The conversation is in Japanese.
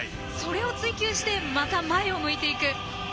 それを追求してまた前を向いていく。